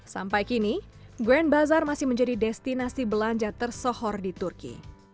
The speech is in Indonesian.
sampai kini grand bazar masih menjadi destinasi belanja tersohor di turki